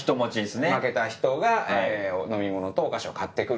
負けた人が飲み物とお菓子を買って来るという。